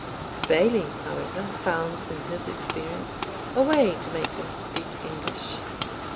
The Bailie, however, found (in his experience) a way to make them speak English.